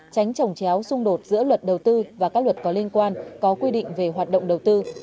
tránh trồng chéo xung đột giữa luật đầu tư và các luật có liên quan có quy định về hoạt động đầu tư